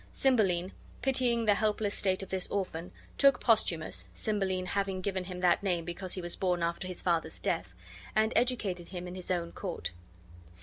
Cymbeline, pitying the helpless state of this orphan, took Posthumus (Cymbeline having given him that name because he was born after his father's death), and educated him in his own court.